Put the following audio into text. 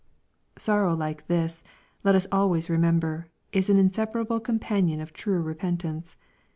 Sorrow like this, let us always remember, is an insep arable companion of true repentance.